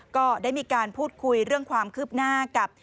ก็ได้มีการพูดคุยเรื่องความคืบหน้ากับ